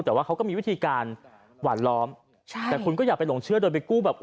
แต่ว่าเขาก็มีวิธีการหวานล้อมใช่แต่คุณก็อย่าไปหลงเชื่อโดยไปกู้แบบ